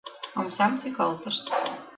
Омсам тӱкалтышт.